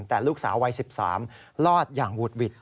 แต่ลูกสาววัย๑๓รอดอย่างหุดหวิด